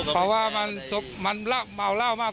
เพราะว่ามันเหล้ามากกว่า